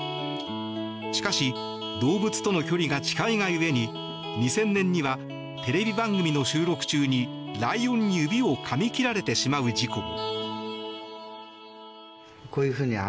しかし動物との距離が近いが故に２０００年にはテレビ番組の収録中にライオンに指をかみ切られてしまう事故も。